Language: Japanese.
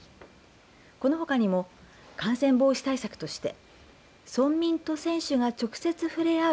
このほかにも感染防止対策として村民と選手が直接ふれ合う